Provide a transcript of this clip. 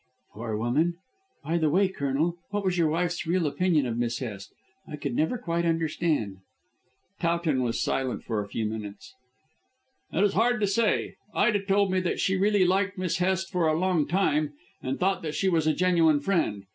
"Poor woman. By the way, Colonel, what was your wife's real opinion of Miss Hest? I could never quite understand." Towton was silent for a few minutes. "It is hard to say. Ida told me that she really liked Miss Hest for a long time, and thought that she was a genuine friend.